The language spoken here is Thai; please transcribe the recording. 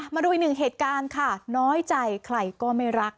มาดูอีกหนึ่งเหตุการณ์ค่ะน้อยใจใครก็ไม่รัก